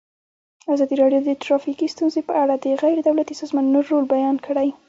ازادي راډیو د ټرافیکي ستونزې په اړه د غیر دولتي سازمانونو رول بیان کړی.